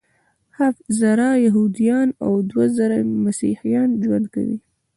هفت زره یهودان او دوه زره مسیحیان ژوند کوي.